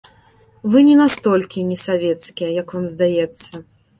Вы не настолькі несавецкія, як вам здаецца.